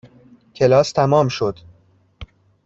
کلاس تمام شد.